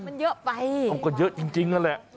เต็มเสื้อไปหมดเลย